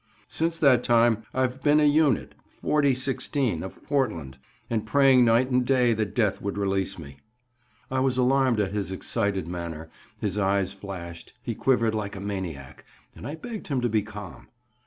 Since that time I've been an unit, 4016 of Portland, and praying night and day that death would release me." I was alarmed at his excited manner; his eyes flashed, he quivered like a maniac, and I begged him to be calm.